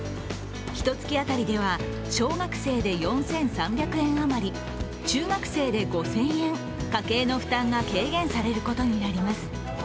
ひと月当たりでは、小学生で４３００万円余り、中学生で５０００円、家計の負担が軽減されることになります。